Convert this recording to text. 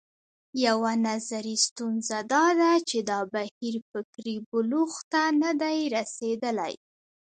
یوه نظري ستونزه دا ده چې دا بهیر فکري بلوغ ته نه دی رسېدلی.